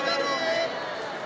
karena kita malam ini bisa dikenakan